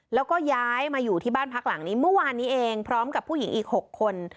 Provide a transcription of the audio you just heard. แล้วก็ย้ายมาอยู่ที่บ้านพักหลังนี้เมื่อวานนี้เองพร้อมกับผู้หญิงอีก๖คน